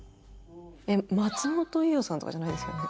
松本伊代さんとかじゃないですよね？